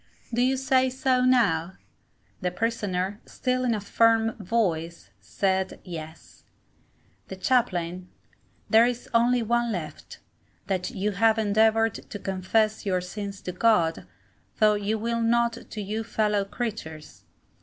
Do you say so, now? The Prisoner, still in a firm voice, said, Yes. The Chaplain. There is only one left, that you have endeavoured to confess your sins to God, though you will not to you fellow creatures.